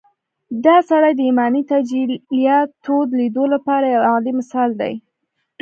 دا سړی د ايماني تجلياتود ليدو لپاره يو اعلی مثال دی.